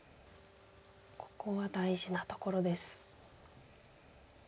ここは大事なところです。